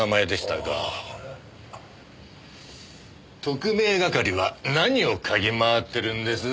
特命係は何を嗅ぎ回ってるんです？